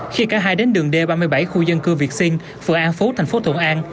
khi cả hai đến đường d ba mươi bảy khu dân cư việt sinh phường an phú thành phố thuận an